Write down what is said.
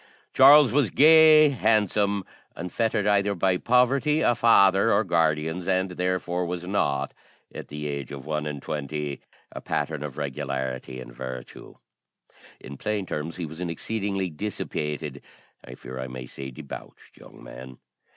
Charles was gay, handsome, unfettered either by poverty, a father, or guardians, and therefore was not, at the age of one and twenty, a pattern of regularity and virtue. In plain terms, he was an exceedingly dissipated I fear I may say debauched, young man.